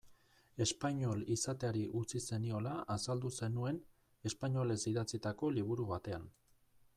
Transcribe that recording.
Espainol izateari utzi zeniola azaldu zenuen, espainolez idatzitako liburu batean.